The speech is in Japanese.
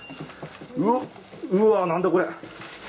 うっうわ何だこれ。